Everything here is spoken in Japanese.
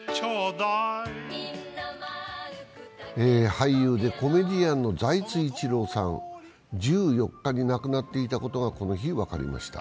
俳優でコメディアンの財津一郎さん、１４日に亡くなっていたことがこの日、分かりました。